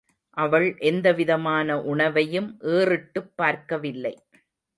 அவள் எந்தவிதமான உணவையும் ஏறிட்டுப் பார்க்கவில்லை.